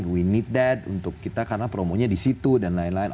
we need that untuk kita karena promonya di situ dan lain lain